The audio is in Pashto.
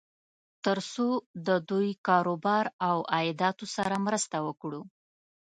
تر څو د دوی کار و بار او عایداتو سره مرسته وکړو.